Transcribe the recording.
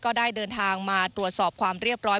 ก็ได้เดินทางมาตรวจสอบความเรียบร้อย